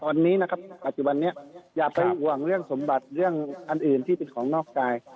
ตอนนี้นะคะจะพักซึ่งวางเรื่องสมบัติเยอะเรียกอันอื่นที่เป็นของนอกกาย